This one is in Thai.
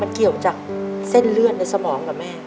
มันเกี่ยวจากเส้นเลือดในสมองกับแม่